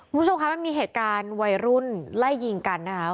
มุมชุมครับมันมีเหตุการณ์วัยรุ่นไล่ยิงกันนะคะ